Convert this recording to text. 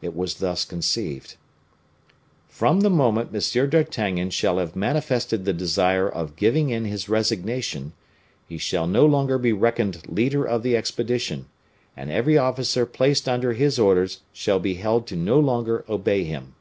It was thus conceived: "From the moment M. d'Artagnan shall have manifested the desire of giving in his resignation, he shall no longer be reckoned leader of the expedition, and every officer placed under his orders shall be held to no longer obey him.